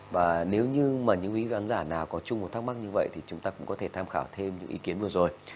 và nếu như mà những quý khán giả nào có chung một thắc mắc như vậy thì chúng ta cũng có thể tham khảo thêm những ý kiến vừa rồi